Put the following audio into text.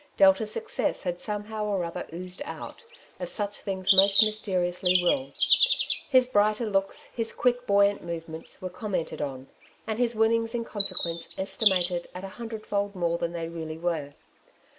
Delta's success had somehow or other oozed out, as such things most mysteriously will. His brighter looks, his quick buoyant movements, were commented on, and his winnings in consequence estimated at a hundredfold more than they really were.